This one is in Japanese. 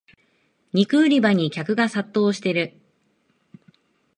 肉売り場に客が殺到してる